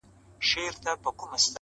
بس را یاده مي غزل سي د ملنګ عبدالرحمن -